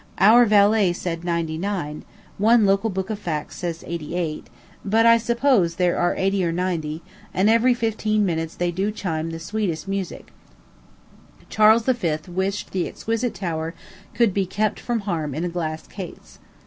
Our valet said ninety nine; one local book of facts says eighty eight; but I suppose there are eighty or ninety; and every fifteen minutes they do chime the sweetest music: Charles V. wished the exquisite tower could be kept from harm in a glass case.